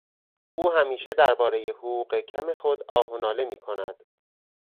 او همیشه دربارهی حقوق کم خود آه و ناله میکند.